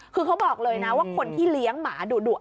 คือเขาบอกเลยนะว่าคนที่เลี้ยงหมาดุ